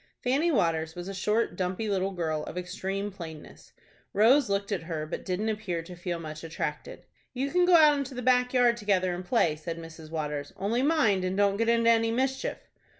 Fanny Waters was a short, dumpy little girl, of extreme plainness. Rose looked at her, but didn't appear to feel much attracted. "You can go out into the back yard together and play," said Mrs. Waters; "only mind and don't get into any mischief."